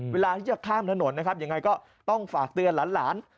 เวลาที่จะข้ามถนนนะครับยังไงก็ต้องฝากเตือนหลาน